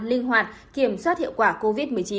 linh hoạt kiểm soát hiệu quả covid một mươi chín